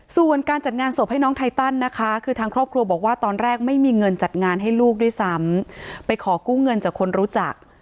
ส่วนการจัดงานศพให้น้องไทตันนะคะคือทางครอบครัวบอกว่าตอนแรกไม่มีเงินจัดงานให้ลูกด้วยซ้ำไปขอกู้เงินจากคนรู้จัก